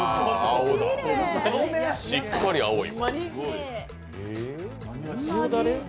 しっかり青い。